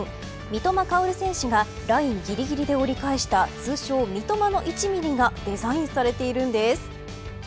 三笘薫選手がラインぎりぎりで折り返した通称、三笘の１ミリがデザインされているんです。